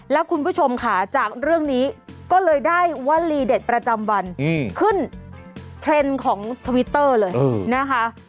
แล้วคุณผู้ชมค่ะจากเรื่องนี้ก็เลยได้วลีเด็ดประจำวันขึ้นเทรนด์ของทวิตเตอร์เลยนะคะ